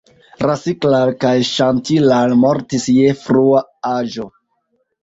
Rasiklal kaj Ŝantilal mortis je frua aĝo.